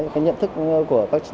cái nhận thức của các em